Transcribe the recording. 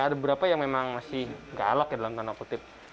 ada beberapa yang memang masih galak ya dalam tanda kutip